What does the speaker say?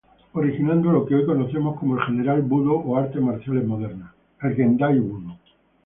Originando lo que hoy conocemos como el "gendai budō" o artes marciales modernas.